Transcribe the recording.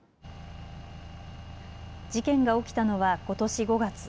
事件が起きたのはことし５月。